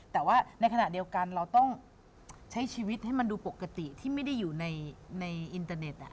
แต่ว่าในขณะเดียวกันเราต้องใช้ชีวิตให้มันดูปกติที่ไม่ได้อยู่ในอินเตอร์เน็ต